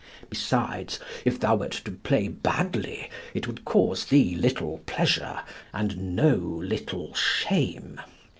Besides, if thou wert to play badly it would cause thee little pleasure and no little shame.